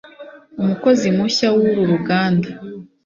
umukozi mushya wuru ruganda